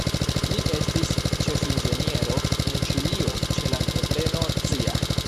Li estis ĉefinĝeniero en Ĉilio ĉe la entrepreno Cia.